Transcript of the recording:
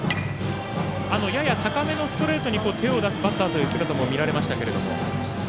やや高めのストレートに手を出すバッターも見られましたけれども。